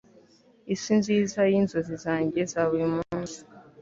isi nziza yinzozi zanjye za buri munsi